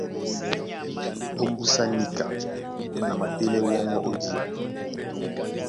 Ómbúsá níka a matéɛ́ wɔ́ŋgɔ́ ó díɔ.